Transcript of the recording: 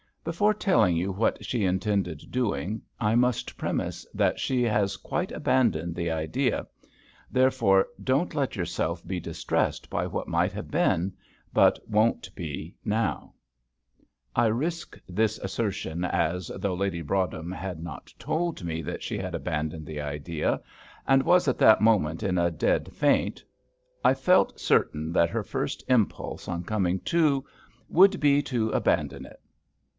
"Before telling you what she intended doing, I must premise that she has quite abandoned the idea; therefore don't let yourself be distressed by what might have been, but won't be now." I risked this assertion as, though Lady Broadhem had not told me that she had abandoned the idea, and was at that moment in a dead faint, I felt certain that her first impulse on "coming to" would be to abandon it.